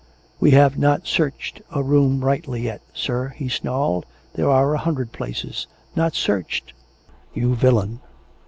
" We have not searched a room rightly yet, sir," he snarled. " There are a hundred places "" Not searched ! You villain